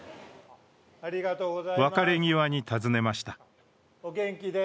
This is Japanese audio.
別れ際に尋ねました。